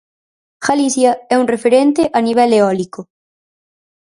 Galicia é un referente a nivel eólico.